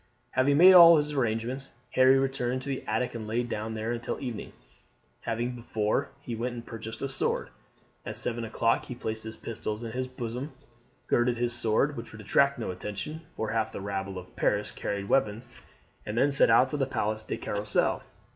Having made all his arrangements, Harry returned to his attic and lay down there until evening, having before he went in purchased a sword. At seven o'clock he placed his pistols in his bosom, girded on his sword, which would attract no attention, for half the rabble of Paris carried weapons, and then set out for the Place de Carrousel.